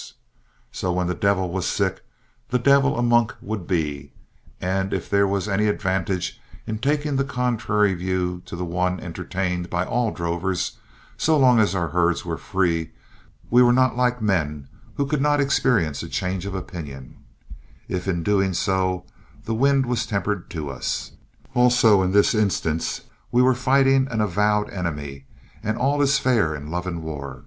So when the devil was sick the devil a monk would be; and if there was any advantage in taking the contrary view to the one entertained by all drovers, so long as our herds were free, we were not like men who could not experience a change of opinion, if in doing so the wind was tempered to us. Also in this instance we were fighting an avowed enemy, and all is fair in love and war.